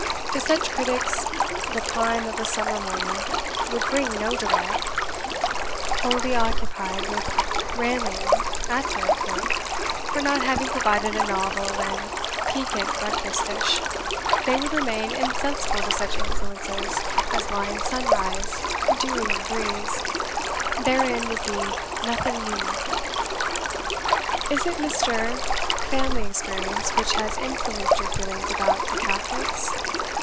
To such critics, the prime of a summer morning would bring no delight; wholly occupied with railing at their cook for not having provided a novel and piquant breakfast dish, they would remain insensible to such influences as lie in sunrise, dew, and breeze: therein would be 'nothing new.' "Is it Mr. 's family experience which has influenced your feelings about the Catholics?